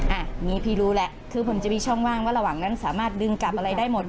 อันนี้พี่รู้แหละคือผมจะมีช่องว่างว่าระหว่างนั้นสามารถดึงกลับอะไรได้หมด